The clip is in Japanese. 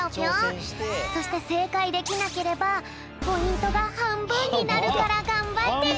そしてせいかいできなければポイントがはんぶんになるからがんばってね。